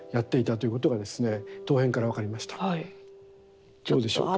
どうでしょうか。